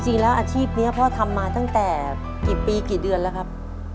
อาชีพนี้พ่อทำมาตั้งแต่กี่ปีกี่เดือนแล้วครับ